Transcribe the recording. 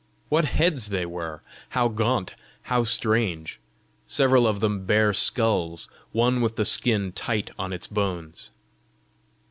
What heads they were! how gaunt, how strange! several of them bare skulls one with the skin tight on its bones!